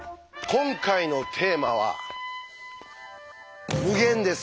今回のテーマは「無限」です。